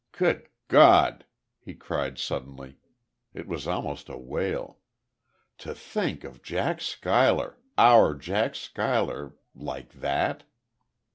Good God!" he cried, suddenly. It was almost a wail. "To think of Jack Schuyler our Jack Schuyler! like that!"